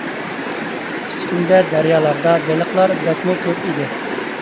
كىچىكىمدە دەريالاردا بېلىقلار بەكمۇ كۆپ ئىدى.